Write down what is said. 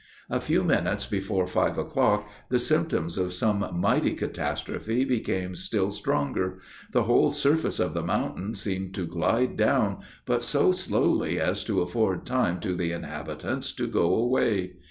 A few minutes before five o'clock, the symptoms of some mighty catastrophe became still stronger; the whole surface of the mountain seemed to glide down, but so slowly as to afford time to the inhabitants to go away.